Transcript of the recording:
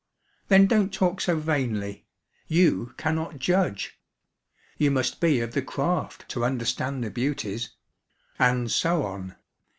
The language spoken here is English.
Then don't talk so vainly. You cannot judge. You must be of the craft to understand the beauties," and so on.